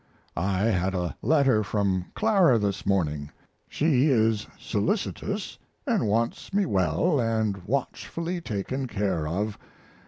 I had a letter from Clara this morning. She is solicitous & wants me well & watchfully taken care of.